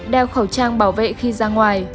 đeo khẩu trang bảo vệ khi ra ngoài